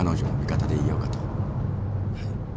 はい。